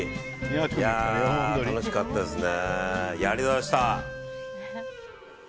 楽しかったですね。